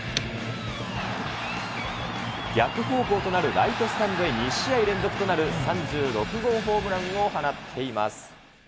逆方向となるライトスタンドへ２試合連続となる、３６号ホームランを放っています。